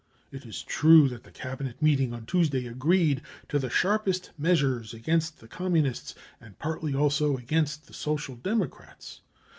It is true that the Cabinet meeting on Tuesday agreed to the sharpest measures against the Commifnists, and partly also against the Social Democrats.